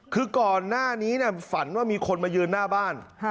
คือก่อนหน้านี้ฝันว่ามีคนมายืนหน้าบ้าน